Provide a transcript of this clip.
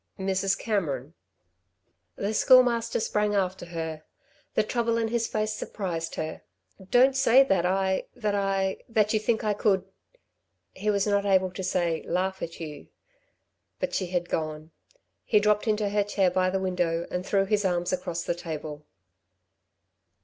"Mrs. Cameron " The Schoolmaster sprang after her. The trouble in his face surprised her. "Don't say that I that I that you think I could " He was not able to say "laugh at you." But she had gone. He dropped into her chair by the window and threw his arms across the table.